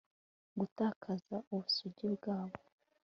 gutakaza ubusugi bwabo